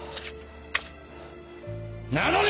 なのに！